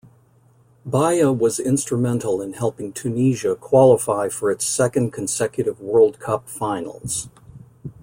Baya was instrumental in helping Tunisia qualify for its second consecutive World Cup finals.